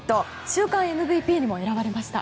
週間ＭＶＰにも選ばれました。